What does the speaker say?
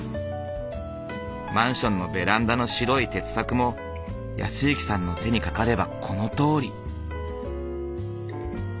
マンションのベランダの白い鉄柵も泰之さんの手にかかればこのとおり。